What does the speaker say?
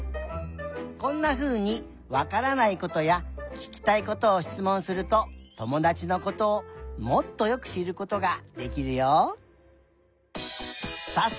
こんなふうにわからないことやききたいことをしつもんするとともだちのことをもっとよくしることができるよ。